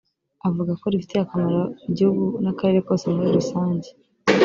avuga ko rifitiye akamaro igihugu n’akarere kose muri rusange